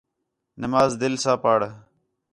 نماز دِل ساں پڑھ